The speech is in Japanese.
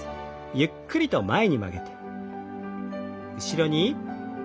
ゆっくりと前に曲げて。